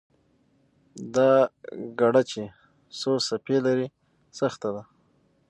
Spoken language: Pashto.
دا ګړه چې څو څپې لري، سخته ده.